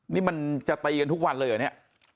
นี่มันจะตีกันทุกวันเลยเหรอเนี่ย